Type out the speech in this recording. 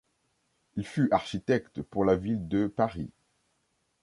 Il fut architecte pour la Ville de Paris.